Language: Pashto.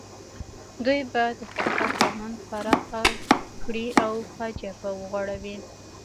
دوی به د فساد لمن پراخه کړي او فاجعه به وغوړوي.